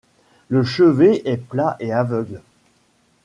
Le chevet est plat et aveugle.